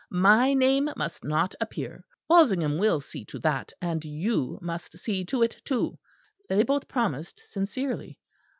My name must not appear; Walsingham will see to that, and you must see to it too." They both promised sincerely.